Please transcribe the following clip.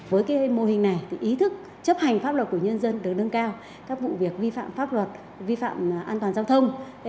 với mô hình này ý thức chấp hành pháp luật của nhân dân được nâng cao các vụ việc vi phạm pháp luật vi phạm an toàn giao thông